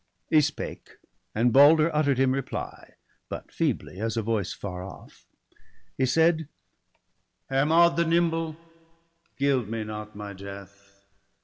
He spake; and Balder utter'd him reply, But feebly, as a voice far off; he said :—' Hermod the nimble, gild me not my death